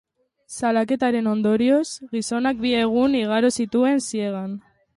Salaketaren ondorioz, gizonak bi egun igaro zituen ziegan.